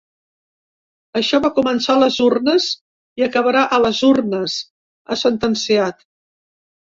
Això va començar a les urnes i acabarà a les urnes, ha sentenciat.